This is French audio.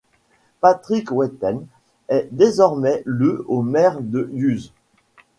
Patrick Weiten est désormais le au maire de Yutz.